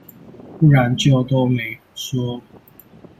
不然就都沒說